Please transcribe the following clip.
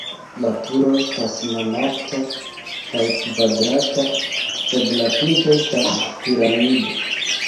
La turo estas malalta kaj kvadrata, sed la pinto estas piramido.